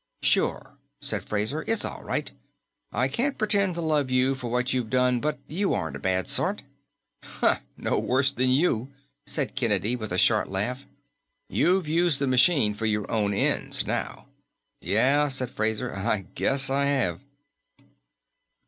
"Sure," said Fraser. "It's all right. I can't pretend to love you for what you've done, but you aren't a bad sort." "No worse than you," said Kennedy with a short laugh. "You've used the machine for your own ends, now." "Yeah," said Fraser. "I guess I have."